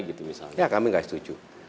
gitu misalnya ya kami gak setuju